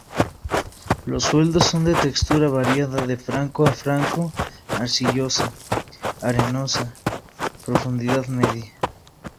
Los suelos, son de textura variada de franco a Franco arcillosa arenosa, profundidad media.